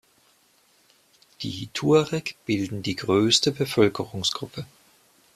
Die Tuareg bilden die größte Bevölkerungsgruppe.